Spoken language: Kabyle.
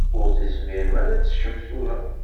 Ur tezmirem ara ad teččem tura.